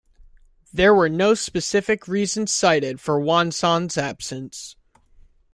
There were no specific reasons cited for Juan Son's absence.